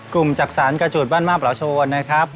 จักษานกระจูดบ้านมาประโชนนะครับ